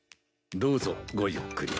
どうぞごゆっくり。